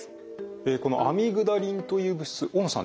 このアミグダリンという物質大野さん